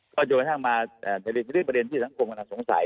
ก็โดยกระทั่งมาในเรื่องประเด็นที่สังคมกำลังสงสัย